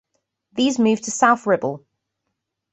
These move to South Ribble.